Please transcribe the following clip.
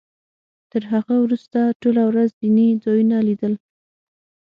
تر هغه وروسته ټوله ورځ دیني ځایونه لیدل.